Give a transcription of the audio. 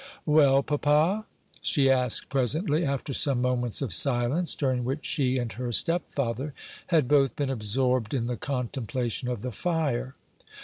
"Well, papa?" she asked presently, after some moments of silence, during which she and her stepfather had both been absorbed in the contemplation of the fire.